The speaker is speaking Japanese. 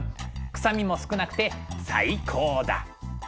臭みも少なくて最高だ。